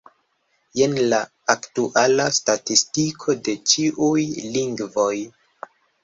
Jen la aktuala statistiko de ĉiuj lingvoj.